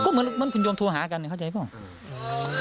ก็เหมือนคุณโยมทวนหากันเข้าใจหรือเปล่า